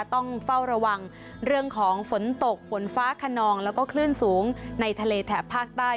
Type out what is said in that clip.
ต้องเฝ้าระวังเรื่องของฝนตกฝนฟ้าขนองแล้วก็คลื่นสูงในทะเลแถบภาคใต้